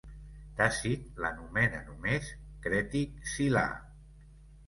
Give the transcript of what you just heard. Tàcit l'anomena només Crètic Silà.